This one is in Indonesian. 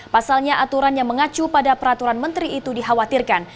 pasalnya aturan yang mengacu pada peraturan menteri itu dikhawatirkan